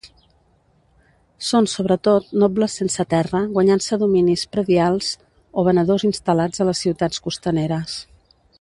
Són sobretot nobles sense terra guanyant-se dominis predials, o venedors instal·lats a les ciutats costaneres.